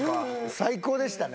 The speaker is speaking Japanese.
最高でしたね。